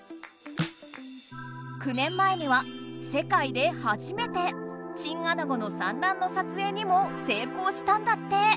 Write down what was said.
９年前には世界ではじめてチンアナゴの産卵の撮影にも成功したんだって。